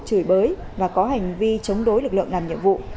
chửi bới và có hành vi chống đối lực lượng làm nhiệm vụ